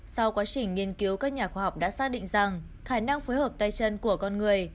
sau quá trình nghiên cứu các nhà khoa học đã xác định rằng khả năng phối hợp tay chân của con người